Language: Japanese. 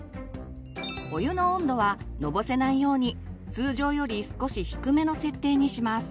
お湯の温度はのぼせないように通常より少し低めの設定にします。